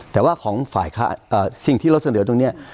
แต่ว่าของฝ่ายค้าสิ่งที่เราเสนอตรงนี้